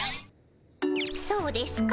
そうですか？